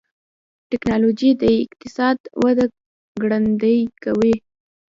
ټکنالوجي د اقتصاد وده ګړندۍ کوي.